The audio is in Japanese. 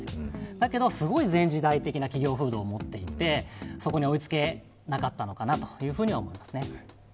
だけど、すごい前時代的な企業風土になっていてそこに追いつけなかったのかなというふうには思ってますね。